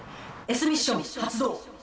Ｓミッション発動！